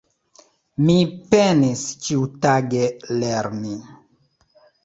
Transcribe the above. Mi penis ĉiutage lerni.